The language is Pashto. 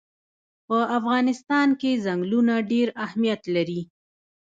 په افغانستان کې ځنګلونه ډېر اهمیت لري.